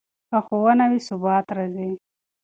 که ښوونه وي، ثبات راځي.